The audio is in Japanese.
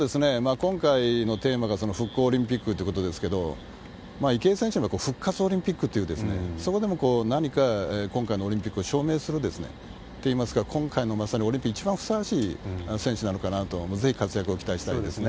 今回のテーマが復興オリンピックということですけれども、池江選手の復活オリンピックっていう、そこでも何かこう、今回のオリンピックを証明するって言いますかね、今回のオリンピックに一番ふさわしい選手なのかなと、そうですね。